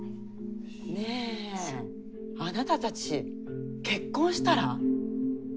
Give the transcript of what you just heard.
ねえあなたたち結婚したら？